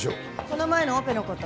この前のオペの事。